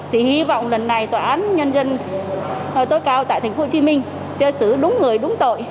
hi vọng lần này tòa án nhân dân tối cao tại tp hcm sẽ xử đúng người đúng tội